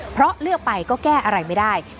เพราะเลือกไปก็แก้อะไรไม่ได้